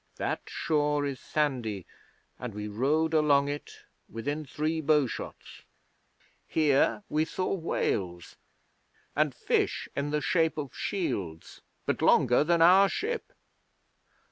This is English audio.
That shore is sandy, and we rowed along it within three bowshots. Here we saw whales, and fish in the shape of shields, but longer than our ship.